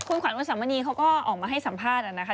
คุณขวัญอุสามณีเขาก็ออกมาให้สัมภาษณ์นะคะ